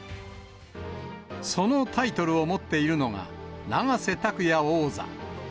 そのタイトルを持っているのが、永瀬拓矢王座。